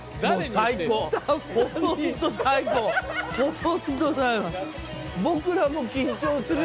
ホントだよ。